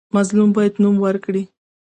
مظلوم باید نوم ورکړي.